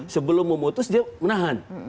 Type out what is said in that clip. sebelum memutus dia menahan